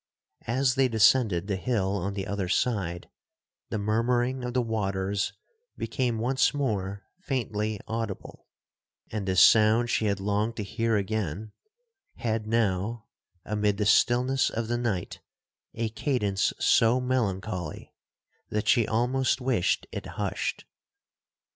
As they descended the hill on the other side, the murmuring of the waters became once more faintly audible; and this sound she had longed to hear again, had now, amid the stillness of the night, a cadence so melancholy, that she almost wished it hushed.